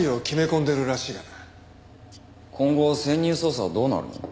今後潜入捜査はどうなるの？